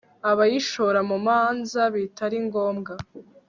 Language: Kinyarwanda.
abayishora mu manza bitari ngombwa